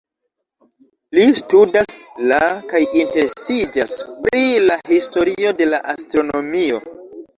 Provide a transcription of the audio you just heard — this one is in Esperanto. Li studas la kaj interesiĝas pri la historio de la astronomio.